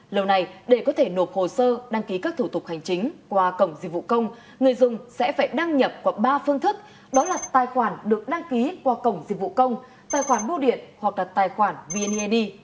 lâu nay để có thể nộp hồ sơ đăng ký các thủ tục hành chính qua cổng dịch vụ công người dùng sẽ phải đăng nhập qua ba phương thức đó là tài khoản được đăng ký qua cổng dịch vụ công tài khoản bưu điện hoặc đặt tài khoản vned